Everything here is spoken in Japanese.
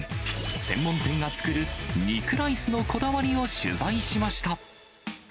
専門店が作る肉ライスのこだわりを取材しました。